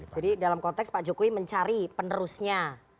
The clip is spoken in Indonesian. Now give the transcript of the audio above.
jadi dalam konteks pak jokowi mencari penerusnya